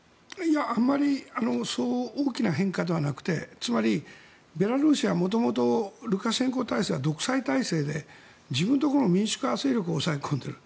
あまりそう大きな変化ではなくてつまりベラルーシは元々ルカシェンコ体制は独裁体制で自分のところの民主化勢力を抑え込んでいる。